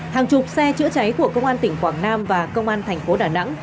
hàng chục xe chữa cháy của công an tỉnh quảng nam và công an thành phố đà nẵng